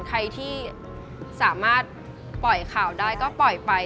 ใครที่สามารถปล่อยข่าวได้ก็ปล่อยไป